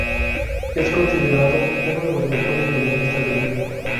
Es considerado uno de los mejores violinistas del mundo.